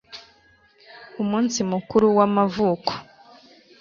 umunsi mukuru w'amavuko